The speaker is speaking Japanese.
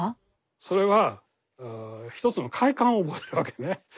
それは一つの快感を覚えるわけね。